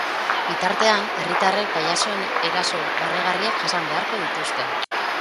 Bitartean, herritarrek pailazoen eraso barregarriak jasan beharko dituzte.